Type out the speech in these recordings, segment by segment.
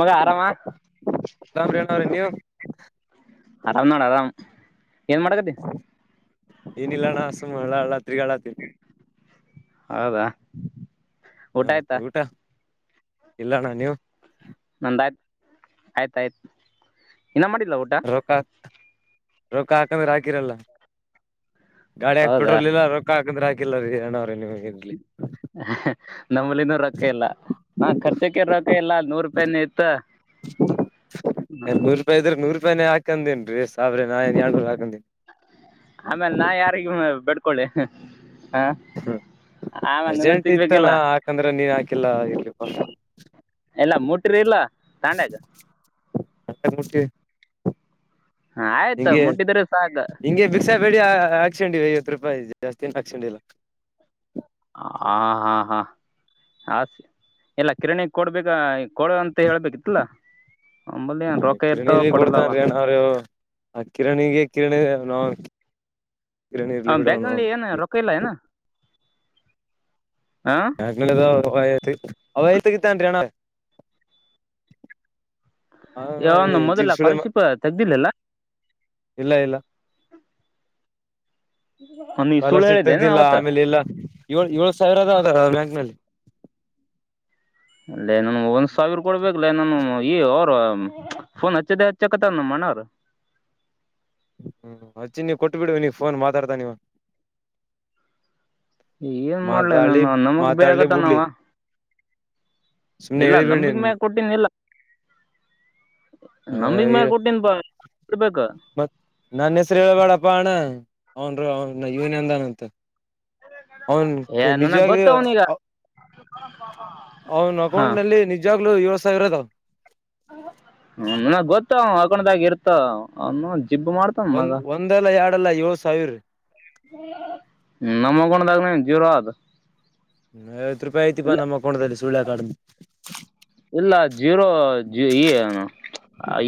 ಮಗ ಆರಾಮಾ ರಾಮ್ರೇಣ್ಣ ಅವ್ರೀ ನೀವು ಆರಾಮ್ ನೋಡ ಆರಾಮ್ ಏನ್ ಮಾಡಕತಿ ಏನಿಲ್ಲಣ್ಣಸುಮಳ ಅಳತ್ರಿ ಅಳತ್ರಿ ಹೌದಾ ಊಟ ಹ ಆಯ್ತಾ ಊಟಾ ಇಲ್ಲಣ್ಣ ನೀವು ಆಯ್ತ ಆಯ್ತು ನ ಮಾಡಿಲ್ಲ ಊಟ ರೋಕ್ಕ ಹಾಕಂದ್ರೆ ಹಾಕಿರಲ್ಲ ಗಾಡಿಯಾಗ ಹೌದಾ ಪೆಟ್ರೋಲ್ ಇಲ್ಲ ರೊಕ್ಕ ಹಾಕಂದ್ರೆ ಹಾಕಿಲ್ಲ ರೀ ಅಣಾವ್ರೀ ನಿವ ಇರ್ಲಿ ನಮ್ಮಲ್ಲಿನೂ ರೊಕ್ಕ ಎಲ್ಲ ಹಾ ಖರ್ಚಕ್ಕೆರೋಕ ಲ್ಲ ನೂರು ರೂಪಾಯನ ಇತ್ತು ಹಾಕನ್ ರೀ ಸಾಬ್ರ ನನ್ ಹಾಕ ಆಮೇಲೆ ನಾ ಯಾರಿಗ ಬೆಡ ಕೊಳ್ಳಿ ಹ್ಮ ಅರ್ಜೆಂಟ್ ಇತ್ತಣ ಸಿಗ್ಬೇಕಿಲ್ಲ ಹಾಕಂದ್ರೆ ನೀನ್ ಹಾಕಿಲ್ಲ ಇರ್ಲಿಪಾ [inaudible] [unintelligible] ಅ ಮುಟಿ ಹ ಆಯ್ತು ಮುಟ್ಟಿದ್ರೆ ಸಾಕ ಬಡಿ ಹಾಕಿಸ್ಕೊಂಡಿವಿ ಐವತ್ತು ರೂಪಾಯಿ ಜಾಸ್ತಿನು ಹಾಕಿಸಿಕೊಂಡಿಲ್ಲ ಹ ಹಾ ಹಾ ಆಸ ಎಲ್ಲ ಕಿರಣಿ ಕೊಡ್ಬೇಕ ಕೊಡ ಅಂತ ಹೇಳ್ಬೇಕಿತ್ತಲ್ಲ ಅಂಬಲ್ಲಿ ಏನ್ ರೊಕ್ಕ ಇರ್ತಾವ ಕಿರಣಿಲಿ ಕೊಡಲ್ಲವ ಕೊಡ್ತನ್ ರೇಣ ಅವರು ಆ ಕಿರಣಿಗೆ ಕಿರಣಿ ನಾ ಹ ಬ್ಯಾಗ್ನಲ್ಲಿ ಏನ ರೊಕ್ಕ ಇಲ್ಲ ಏನ ಹಾ [unintelligible] ತಗಿತ್ತಾನ್ಣ ಅಣ್ಣ ಯನು ಜೀಪ್ ಮೊದಲ ಸುಳೆ ಸ್ಕಾಲರ್ಶಿಪ್ ತೆಗ್ದಿಲ್ಲಲ್ಲ ಇಲ್ಲ ಇಲ್ಲ ಹಾ ನೀ ಸುಳ್ಳು ಸ್ಕಾಲರ್ಶಿಪ್ ಹೇಳಿದ್ದೇನ ತೆಗ್ದಿಲ್ಲ ಅವತ್ತ ಆಮೇಲೆ ಎಲ್ಲಾ ಏಳ್ ಏಳು ಸಾವಿರ ಅದಾವ ಬ್ಯಾಂಕ್ನಲ್ಲಿ ಅಲ್ಲನನ್ ಒಂದ್ ಸಾವಿರ ಕೊಡ್ಬೇಕಲ್ಲನಾನ ಈ ಅವ್ರ ಫೋನ್ ಹಚ್ಚದೇ ಹಚ್ಚಕತ ನಮ್ಮಣವ್ರ ಹ್ಮ್ ಅಚ್ಚಿ ನೀ ಕೊಟ್ಬಿಡ್ ನೀಗ್ ಫೋನ್ ಮಾತಾಡ್ತಾ ಇವಾ ಏನ್ ಮಾಡ್ಲ ನಾನ ನಮಗ್ ಬೈಯಾಕ ಮಾತಾಡ್ಲಿ ಹತ್ಯಾನ ಬಿಡ್ಲಿ ಅವಾ ಸುಮ್ನೆ ಇಲ್ಲ ಹೇಳಿಬಿಡಿ ನಂಬಿಕೆ ಮ್ಯಾಗ ಕೊಟ್ಟನಿ ಇಲ್ಲ ನಂಬ [unintelligible] ಮತ್ತ್ ನನ್ನ ಹೆಸರು ಹೇಳಳ್ಬೇಡಪ್ಪ ಅಣ್ಣ ಅವ್ನ್ ಅವ್ನ್ ಇವನ ಅಂದಾನ್ಂತ ಅವನ್ ಏ ನನಗೆ ನಿಜವಾಗ್ಲೂ ಗೊತ್ತ ಅವನೀಗ ಅವನ ಹಾಂ ಅಕೌಂಟ್ ನಲ್ಲಿ ನಿಜಾಗ್ಲುೂ ಇ ಸ ಇರದು ಇ ಹಕೊಂಡದಾಗ ಇರ್ತ ಅವನು ಜಿಬ್ಬ ಮಾಡ್ತನ್ ಮಗ ಒಂದ್ ಒಂದಲ್ಲ ಎರಡಲ್ಲ ಏಳ್ ಸಾವಿರ ನ ಮಗೊಂಡಾಗ ನ ಜೀರ ಆದದು ವ ರೂಪಾಯಿ ಯಐತಿಾ ನಮ್ಮ ಅಕೌಟ್ ಅಲ್ಲಿ ಚಳ ಕಡ ಇಲ್ಲ ಜೀರೋ ಜಏನು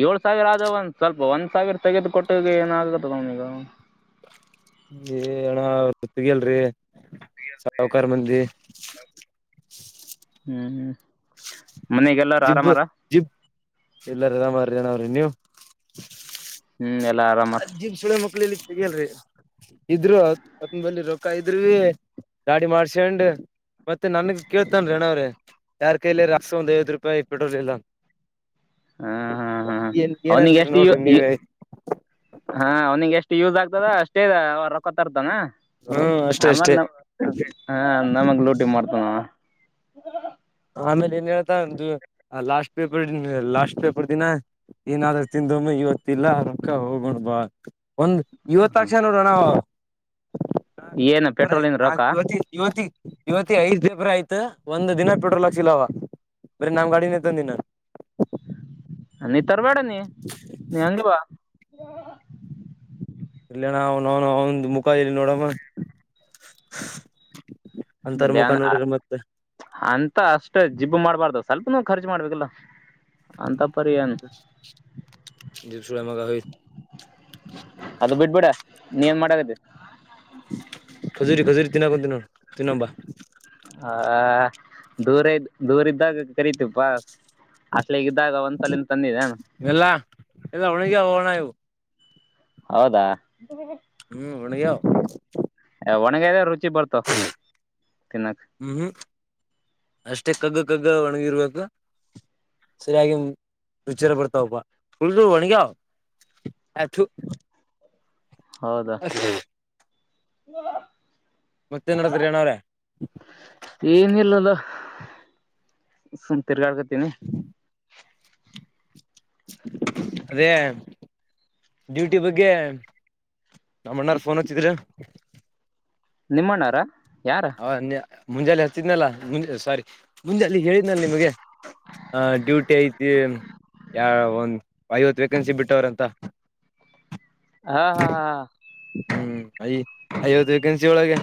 ಏಳ್ ಸಾವಿರ ಆದ ಒಂದ ಸ್ವಲ್ಪ ಒಂದ್ ಸಾವಿರ ತೆಗೆದು ಕೊಟ್ಟ ಏನ ಆಗತ್ತದ ಅವನಗ ಅಣ ಸತ್ತಿಗೆ ಅಲ್ರಿ ಸಾವಕಾರ ಮಂದಿ ಮನೆಗೆಲ್ಲಾರ ಜಿಬ್ ಆರಾಮಾರ ಜಿಬ್ ಎಲ್ಲಾರ ರರಾಮಾರ ಜನ ಅವ್ರಿ ನೀವು ಹ್ಮ್ ಎಲ್ಲಾ ಆರಾಮರ ಅ್ ಜಿಮ್ ಸುಳೆ ಮಕ್ಳಲ್ಲಿ ಸಿಗಲ್ರಿ ಇದ್ರುತ್ನ ಬ ರೊಕ್ಕ ಇದ್ರ ಗಾಡಿ ಮಾಡ್ಸಂಡ್ ಮತ್ತೆ ನನ್ಗ್ ಕೇಳ್ತನ್ ರೀ ಅಣ್ಣ ಅವ್ರಿ ಯಾರ್ ಕೈಲ ರ ಅಸ ಒಂದ್ ಐವದ ರೂಪಾಯಿ ಪೆಟ್ರೋಲ್ ಇಲ್ಲ ಅಂತ ಹ್ಮ ಹಾ್ ಹಾ ಅವನಿಗೆ ಎಷ್ಟು ನೋಡ್ರಿ ನೀವೇ ಹಾ ಅವ್ನಿಿಗೆ ಎಷ್ಟ ಯೂಸ್ ಆಗ್ತದ ಅಷ್ಟೇ ಇದೆ ಕತಾರ್ತಂಗಾ ಹ್ಮ್ ಅಷ್ಟೇ ಆಮ ಅಷ್ಟೇ ಹ ನಮಗ್ ಲೂಟಿ ಮಾಡ್ತನ ಹ್ಮ ಆಮೇಲೆ ಏನ್ ಹೇಳ್ತಾ ಒ ಲಾಸ್ಟ್ ಪೇಪರ್ ಲಾಸ್ಟ್ ಪೇಪರ್ ದಿನ ಏನಾದ್ರು ತಿಂದಮ್ಮ ಇವತ್ತ ಇಿಲ್ಲ ಅಕ್ಕ ಹೋಗಣ್ ಬಾ ಒಂದ್ ಇವತ್ತಕ್ಷ ನೋಡೋಣಾವು ಏನ ಹ ಪೆಟ್ರೋಲಿನ್ ನಾ ರೊಕ್ಕ ಯತಿ ಯುವತಿ ಇವತ್ತ ಐಸ್ ದೇಬ ಆಯ್ತು ಒಂದ್ ದಿನ ಪೆಟ್ರೋಲ ಚವಾ ಮೇರೆ ನಾಮ ಗಾಡಿ ನತಂದಿನ ಅ ತರ್ಬೇಡ ನೀ ನೀ ಹಂಗಗೆಿವ ಇಲ್ಲಣ ಅವನ್ನು ಅವನ್ ಮುಖ ಇಲ್ಲಿ ನೋಡಮ್ಮ ಅಂತಾರ ಮುಖ ನೋಡಿದ್ರ ಮತ್ತ ಅಂತ ಅಷ್ಟೇ ಜಿಬ್ಬು ಮಾಡ್ಬಾರ್ದು ಸ್ವಲ್ಪ ನೋವು ಖರ್ಚು ಮಾಡ್ಬೇಕಲ್ಲ ಅಂತ ಪರಿನು ಸುಳೆ ಮಗ ಹೋಯ್ ಅದು ಬಿಡ್ಬಿಡ ನೀ ನ್ ಮಾಡತ್ತೆ ದಿನಕ ದಿನ ತಿಿನ ನಂಬ ಹ ದೂರ ಇದ ದೂರ ಇದ್ದಾಗ ಕರಿತಿಪ್ಪಾ ಅಷ್ಟಲ ಈಗ ಇದ್ದಾಗ ಒಂದ್ಸಲಿನ ತಂದಿದೆ ಎಲ್ಲಾ ಎಲ್ಲ ಒಣಗ್ಯಾವ ಅಣ ಇವು ಹೌದಾ ಹ್ಮ್ ಒನೆಯಾವ [unintelligible] ಕ ಚಿ ಬರ್ತ ಕೆಿನ ಹ್ಮ್ ಹ್ಮ್ ಅಷ್ಟೇ ಕಗ್ಗ ಕಗ್ಗ ಒಣಗಿರ್ಬೇಕು ಸರಿಯಾಗಿ ಚಾರ ಪಡ್ತಾವಪ್ಪಾ ಉಳ ಒಣಗ್ಯಾವ ಅಥು ಹಾ ನಡದ್ರಿ ಅಣ್ಣವ್ರೆ ಏನಲ್ಲಲ್ಲ ಸುಂತೆರ ಕಕ ತಿನ ಅದೇ ಡ್ಯೂಟಿ ಬಗ್ಗೆ ನಮ್ಮ ಅಣ್ಣಾರ್ ಫೋನ್ ಹತ್ತಿದ್ರ [unintelligible] ನಿಮ್ಮಣ್ಣಾರಾ ಹೌ ಮುಂಜಾಲೆ ಹತ್ತಿದ್ನಲ್ಲ ಮುಜೆ ಸಾರಿ ಮುಂಜಾಲಿ ಹೇಳಿದ್ನ ನಿಮಗೆ ಆ ಡ್ಯೂಟಿ ಐತಿ ಯ ಒಂದ್ ಐವತ್ತು ವೇಕೆನ್ಸಿ ಬಿಟ್ಟವ್ರ ಅಂತ ಹಾ ಹಾ ಹಾ ಅಯ ಯವತ್ತು ವೇಕೆನ್ಸಿ ಒಳಗೆ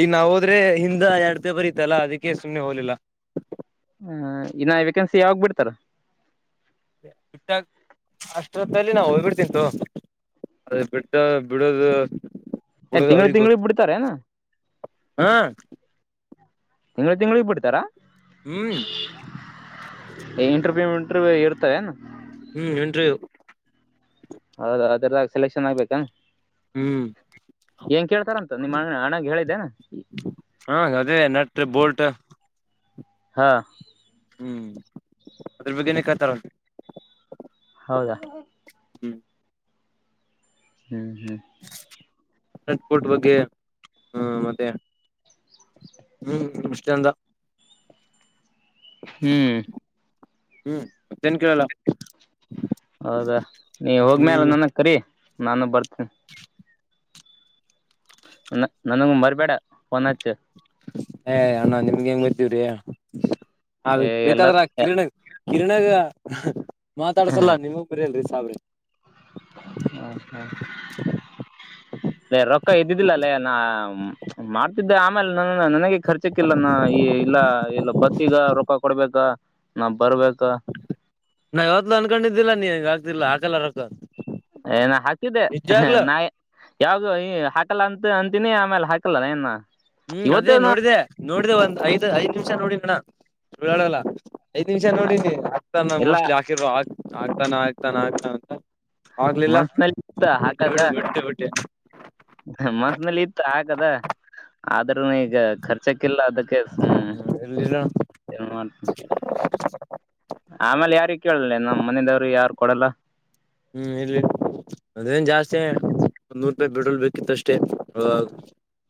ಈಗ ನಾವವುದ ಆದ್ರೆ ಹಿಂದ ಎರಡ್್ದೇ ಬರೀತಲ್ಲಾ ಅದಕ್ಕೆ ಸುಮ್ಮ್ನೆ ಹೋಗ್ಲಿಲ್ಲ ಹ ಇನ್ನ ವೇಕೆನ್ಸಿ ಯಾವಾಗ ಬಿಡ್ತಾರ ಬಿಟ್ಟ ಅಷ್ಟಲ್ಲಿ ನಾವು ಹೋಗ್ ಬಿಿಡ್ತಂತು ಅದ ಬಿಟ್ಟ ಬಿಡೋದು ಏ ಬಿಡೋದು ತಿಂಳ ಅವ್ರಿಗ್ ತಿಂಗಂಳ ಗೊತ್ತು ಬಿಡ್ತಾರಏನಾ ಹಾ ತಿಂ್ಳ ತಿಂಳಿಗೆ ಬಿಡ್ತಾರಾ ಹ್ಮ್ ಇಂಟ್ರವ್ಯೂ ಇಂಟರ್್ಯೂ ನು ಹ್ಮ್ ಇಟೂ ಹೌದ ಅದ್ರದಾಗ ಸೆಲೆಕ್ಷನ್ ಆಗ್ಬೇಕಾ ಹ್ಮ್ ಏನ್ ಕೇಳ್ತಾರಂತ ನಿಮ್ಮ ಅಣ್ಣ ಅಣ್ಣಗೆ ಹೇಳಿದ್ದೇನಾ ಈ ಹತ್ತ ಹಾ ಹ್ಮ್ ಅದ್ರ ಬಗ್ನೆ ಕತಾರ ಹೌದಾ ಹ್ಮ್ ಹ್ಮ್ ಹ್ಮ್ ನೆಟ್ಪೋರ್ಟ್ ಬಗ್ಗೆ ಹ್ಮ ಮತ್ತೆ ಹ್ಮ್ಷ್ಟಂತ ಹ್ಮ್ ಹ್ಮ್ ಮತ್ತೇನ್ ಕೇಳಲ್ಲ ಹೌದಾ ನೀ ಹೋಗ್ಮ್ಯಾಲ ಹ್ಮ್ ನನ ಕರಿ ನಾನು ಬರ್ತಿ ಹ ನ ನನಂಗ ಮರ್ಬೇಡ ವಚ ಏ ಅಣ್ಣ ನಿಮ್ಗೆ ಹೆಂಗ್ ಗೊತವ್ರಿ ಹ ಬೇಕಾದ್ರ ಎಲ್ಲಾರ ಕಿರಣರಣ ಕಿರಣಾಗ ಹ್ಮ [inaudible] ಮಾತಾಡ್ಸಲ್ಲಾ ನೀವವು ಬರಿ [unintelligible] ಸಾಬ್ರ [inaudible] ಹೇ ರೊಕ್ಕ ಇದ್ದಿದ್ದಿಲ್ಲ ಅಲ್ಲೇ ನಾ ಮಾಡ್ತಿದ್ದೆ ಆಮೇಲೆ ನ ನನಗೆ ಖರ್ಚಕ್ಕಿಲ್ಲಾನ ಈ ಇಲ್ಲ ಇಲ್ಲ ಬಸ್ ಈಗ ರೊಖ ಕೊಡ್ಬೇಕ ನಾ ಬರ್ಬೇಕು ನಾ ಇವತ್ಲುೂ ಅನ್ಕೊಂಡಿದ್ದಿಲ್ಲ ನೀಗ ಇಲ್ಲ ಹಕಲ್ಲ ರೊಕ್ಕ ಏ ನಾ ಹಾಕಿದ್ದೆ ನಿಜಾಗ್ಲು ನಾ ಯಾವಾಗ ಈ ಹಾಕಲ್ಲ ಅಂತ ಅಂತನಿ ಆಮೇಲೆ ಹಾಕಲ್ಲಾ ಇ ಹ್ಮ್ ಅದೇ ನೋಡಿದೆೆ ನೋಡಿದೆ ಒಂದ್ ಐದ್ ಐದ್ ನಿಮಿಷ ನೋಡ ಅಣ್ಣ ಚುಳಲ್ಲ [unintelligible] ಐದ್ ನಿಮಿಷ ನೋಡಿನನಿ ಅತ್ತನ ಇಲ್ಲ ಮೋಸ್ಟ್ಲಿ ಹಾಕಿರ ಆಗ್ತಾನ ಆಗ್ತಾನ ಆಗ್ತಾನ ಅಂತ ಆಗ್ಲಿಲ್ಲ ಮನ್ಸನಲ್ಲಿ ಇತ್ತ ಇಲ್ಲಿ ಹಾಕದ ಬಿಡು ಬಿಟ್ಟೆ ಬಿಟ್ಟೆ ಮನ್ಸನಲ್ಲಿ ಇತ್ತ ಹಾಕದ ಆದ ಈಗ ಖರ್ಚಕಿಲ್ಲ ಅದಕ್ಕೆ ಹ್ಮ ಇರ್ಲಿಲ್ಲ ಏನ್ ಮಾಡ್ತಿ ಆಮೇಲೆ ಯಾರಿ ಕೇಳಲ್ಲ ನಮ್ಮ್ ಮನದವರು ಯಾರು ಕೊಡಲ್ಲ ಹ್ಮ್ ಇಲ್ಲಿ ಅದೇನ್ ಜಾಸ್ತಿ ಒಂದ್ ನೂರು ರೂಪಾಯಿ ಬಿಟ್ರೋಲ್ ಬೇಕಿತ್ತು ಅಷ್ಟೇ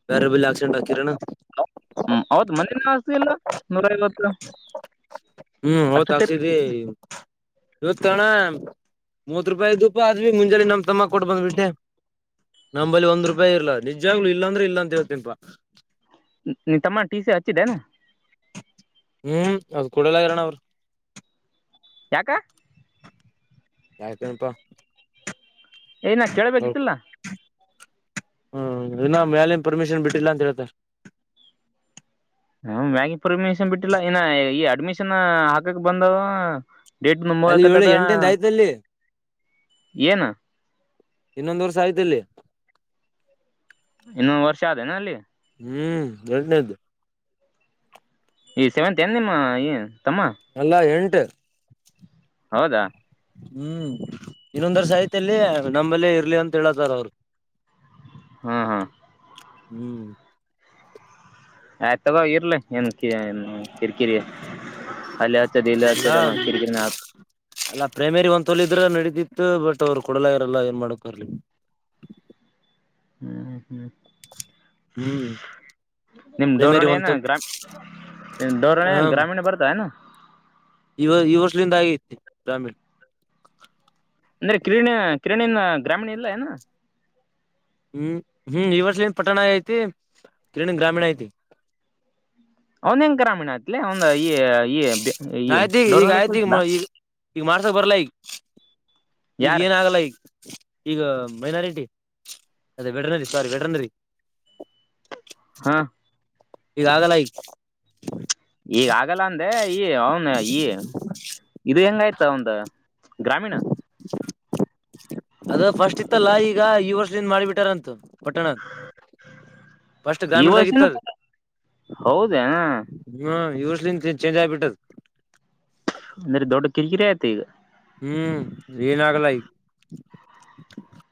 ಬೇರೆ [unintelligible] ಕಿರಣ [unintelligible] ಲ್ಲ ನೂರ ಗೊತ್ತು ಹ್ಮ್ ಹೌತ್ತಿದರಿ ಇವತ್ ತಣ ಮೂತ್ ರೂಪಾಯಿ ಇದ್ದಪಾ ಅ ಮುಂಜಾನೆ ನಮ್ ತಮ್ಮ ಕೊಟ್ಟು ಬಂದ್ಬಿಟ್ಟೆ ನಂಬಲ್ಲಿ ಒಂದ್ ರೂಪಾಯಿ ಇರ್ಲ ನಿಜಾಗ್ಲು ಇಲ್ಲಾಂದ್ರೆ ಇಲ್ಲ ಅಂತೇವತಿನ್ಪಾ ನೀತಮ್ಮ ತೀ ಸ ಹಚ್ಚಿದೆನೆ ಹ್ಮ್ ಅದು ಕೂಡಲ ಇರೋಣ ಅವ್ರು ಯಾಕ [unintelligible] ಏನ ಕೇಳ್ಬೇಕಿತ್ತಲ್ಲ ಹ್ಮ್ ಇನ್ನ ಮ್ಯಾಲನ್ ಪರ್ಮಿಷನ್ ಬಿಟ್ಟಿಲ್ಲ ಅಂತ ಹೇಳ್ತಾರೆ ಹ ಮ್ಯಾಗಿ ಪರ್ಮಿಷನ್ ಬಿಟ್ಟಿಲ್ಲ ಇನ್ನ ಈ ಅಡ್ಮಿಷನ್ ಹಾಕಕ್ ಬಂದವ ಡೇಟ್ ಅಲ್ಲಿ ಏಳು ಎಂಟಂದ ಆಯ್ತಲ್ಲಿ ಏನ್ ಇನ್ನೊಂದ್ ವರ್ಷ ಆಯ್ತಲ್ಲಿ ಇನ್ನೊಂದು ವರ್ಷ ಆದೇನಾ ಅಲ್ಲಿ ಹ್ಮ್ ಎರಡನೇದ್ದು ಈ ಸೆವೆಂತ್ ಏನ್ ನಿಮ್ಮ ಈ ತಮ್ಮ ಅಲ್ಲಾ ಎಂಟು ಹಟ್ ಹೌದಾ ಹ್ಮ್ ಇನ್ನೊಂದರ ಸಾಹತಿ ಅಲ್ಲಿ ನಂಬಲ್ಲಿೇ ಇರ್ಲಿ ಅಂತ ಹೇಳತಾರ ಅವರು ಹ್ಮ್ ಹಾ ಹ್ಮ್ ಆಯ್ತ ತಗೋ ಇರ್ಲಿ ಕಿರಿಕಿರಿ ಅಲ್ಲಿ ಹಚ್ಚೋದು ಇಲ್ಲಿ ಅಲ್ಲ ಹಚ್ಚೋದು ಅನ್ನೋ ಕಿರಿಕಿರಿನ ಆತು ಅಲ್ಲಾ ಪ್ರೇಮರಿ ಒಂದ ತಲ್ಲಿ ಇದ್ರೆ ನಡೀತಿ ಬಟ್ ಅವ್ರು ಕೊಡಲ ಆಗ್ಯಾರಲ್ಲ ಏನ್ ಮಾಡಕರ್ಲಿ ಹ್ಮ್್ಮ ಹ್ಮ್ ನಿಮ್ಮ ಪ್ರೈಮರಿ ಡೋರ್ಳಿ ಏನ ಒಂತ ಗ್ರಾಮಿ ಡೋರಳ್ಳಿ ಗ್ರಾಮೀಣ ಬರ್ತ ಏನ ಈ ಈ ವರ್ಷದಿಂದ ಆಗೈತಿ ಪ್ರೇಮರೆ ಅಂದ್ರೆ ಕಿರಣ ಕಿರಣಿನ ಗ್ರಾಮೀಣಿಲ್ಲ ಇಲ್ಲೇನ ಹ್ಮ್ ಹ್ಮ್ ಈ ವರ್ಷನ್ ಪಟ್ಟಣ ಐತಿ ಕಿರಣ ಗ್ರಾಮೀಣ ಐತಿ ಅವನ್ ಹೆಂಗ ಏನ್ ಗ್ರಾಮೀಣ ಆಯ್ತ್ಲೇ ಅವಂದ ಈ ಈ ನಯ್ತ ಈ ಈಗ ಡೋರ್ನಳ್ಳಿ ಆಯ್ತ ಈಗ ಕಲ್ತಿಲ್ಲ ಈಗ ಈಗ ಮಾಡ ಬರಲ್ಲೇ ಈಗ ಯಾರ ಏನಾಗಲ್ಲ ಈಗ ಈಗ ಮೈನಾರಿಟಿ ಅದೇ ವೆಟನರಿ ಸಾರಿ ವೆಟನರಿ ಹಾ ಈದಾಗಲ್ಲ ಈಗ ಈಗ ಆಗಲ್ಲ ಅಂದೆ ಈ ಅವನ ಇದು ಹೆಂಗಯ್ತ ಒಂದು ಗ್ರಾಮೀಣ ಅದ ಫಸ್ಟ್ ಇತ್ತಲ್ಲ ಈಗ ಈ ವರ್ಷದಿಂದ ಮಾಡಿಬಿಟ್ಟಾರಂತು ಪಟ್ಟಣದ ಫಸ್ಟ್ ಈ ವರ್ಷನ ಗ್ರಾಮೀಣದಾಗಿತ್ತದ ಹೌದೇ ಹ್ಮ ಈ ವರ್ಷದಲಿಂತ ಚೇಂಜ್ ಆಗಿಬಿಟ್ಟದ ಅಂದ್ರೆ ದೊಡ್ಡ ಕಿರಿಕಿರಿಯಾಯ್ತೆ ಈಗ ಹ್ಮ್ ಏನಾಗಲ್ಲ ಈಗ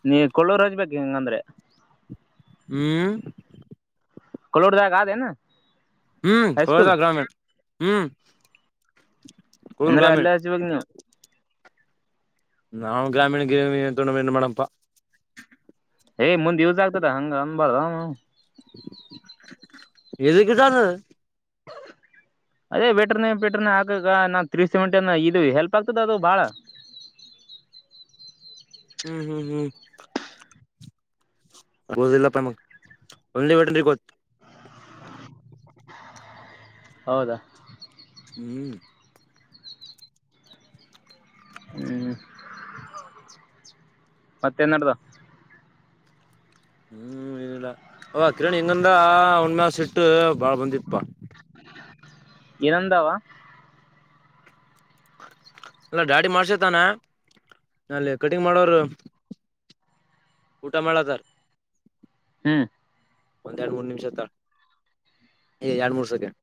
ನೀ ಕೊಳ್ಳೋರ್ ಹಚ್ಚಬೇಕು ಹಿಂಗಂದ್ರೆ ಹ್ಮ ಕೊಲ್ಲೂರದಾಗಾದೇನು ಹ್ಮ್. ಹೋಳಿದ ಗ್ರಾಮೀಣ ಹ್ಮ್. [inaudible] ಅಂದ್ರೆ ಗ್ರಾಮೀಣ ಅಲ್ಲ ಹಚ್ಚಬೇಕ ನೀವು. ನಾವ್ ಗ್ರಾಮೀಣ ಗೀಮೀಣ್ ತುಗೊಂಡ ಏನ್ ಮಾಡನಪಾ ಏ ಮುಂದ್ ಯುಸ್ ಆಗ್ತದ ಹಂಗ ಅನ್ಬಾರ್ದ ಹೂಂ ಎದುಕ್ಕೆ ಯೂಸ್ ಆಗ್ತದ ಅದೇ ವೆಟ್ರನೆರಿ ಬೆಟ್ರನೆ ಹಾಕಾಗ ನಾ ತ್ರೀಸೆವೆಂಟಿ ಆಗಿದ್ವಿ ಇದು ಹೆಲ್ಪ್ ಆಗ್ತದ್ ಅದು ಬಾಳ. ಹ್ಮ್ ಹ್ಮ್ ಹ್ಮ್. ಹಗೋದಿಲ್ಲಪ್ಪ ನಮ್ಗ್. ಅಲ್ಲಿ ವೆಟರ್ನರಿಗ್ ಓದ್ತಿ [unintelligible] ಹೌದ. ಹ್ಮ್. ಹ್ಮ್. ಮತ್ತೇನ್ ನಡ್ದವ್ ಹ್ಮ್ ಏನಿಲ್ಲ. ಅವ ಕಿರಣ್ ಹಿಂಗಂದ ಒಣ್ಮ್ಯಾ ಸಿಟ್ಟಾ. ಬಾಳ ಬಂದಿಪ್ಪ. ಇನಂದಾವ. ಅಲ್ಲ ಡಾಡಿ ಮಾಡ್ಸತಾನ ಅಲ್ಲಿ ಕಟಿಂಗ್ ಮಾಡೋರು ಊಟ ಮಾಡ್ಲತಾರ. ಹ್ಮ್. ಒಂದೆರಡು ಮೂರ್ ನಿಮ್ಷ ತ್ತಾಳ್. ಏ ಎರಡ್ ಮೂರ್ ಸೆಕೆಂಡ್.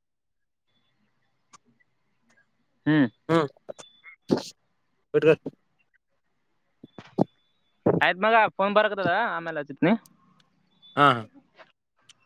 ಹ್ಮ್. [unintelligible] ಬಿಟ್ಗಡ್. ಆಯ್ತ್ ಮಗ ಫೋನ್ ಬರಕತ್ದ ಆಮೇಲೆ ಆಚಿತ್ನಿ. ಹಾ ಹ.